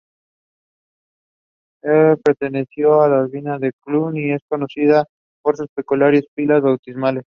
Perteneció a la abadía de Cluny y es conocida por sus peculiares pilas bautismales.